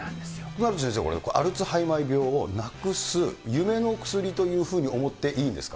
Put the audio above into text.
名越先生、これ、アルツハイマー病をなくす、夢の薬というふうに思っていいんですか？